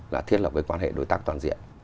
là thiết lập cái quan hệ đối tác toàn diện